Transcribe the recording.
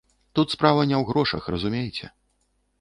Тут справа не ў грошах, разумееце?